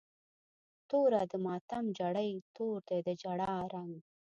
توره د ماتم جړۍ، تور دی د جړا رنګ